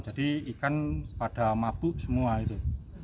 jadi ikan pada mabuk semua itu